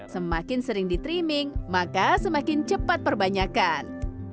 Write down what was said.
semakin sering ditriming maka semakin cepat perbanyakan